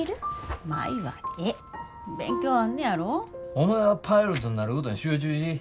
お前はパイロットになることに集中し。